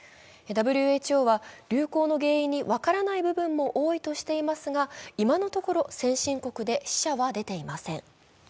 ＷＨＯは流行の原因に分からない部分も多いとしていますが今のところ、先進国で死者は出ていません。